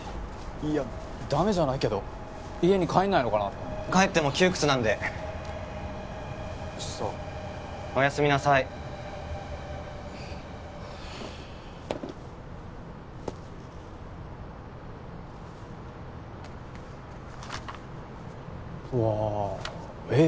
いやダメじゃないけど家に帰んないのかなと帰っても窮屈なんでそうおやすみなさいうわ絵